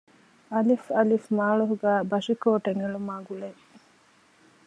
އއ. މާޅޮހުގައި ބަށިކޯޓެއް އެޅުމާގުޅޭ